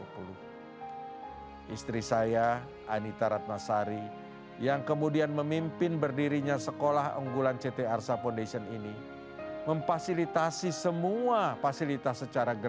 karena akhirnya anak anak aceh itu mampu menjadi pribadi yang unggul beriman cerdas berkarakter